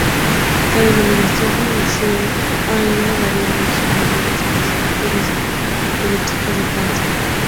La denominación del liceo ha ido variando siguiendo las vicisitudes políticas de Francia.